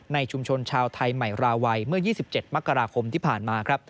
ในชุมชนชาวไทยใหม่ราวัยเมื่อ๒๗มกราคมที่ผ่านมา